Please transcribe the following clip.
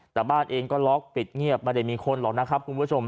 แต่บ้านเองก็ล็อกปิดเงียบไม่ได้มีคนหรอกนะครับคุณผู้ชม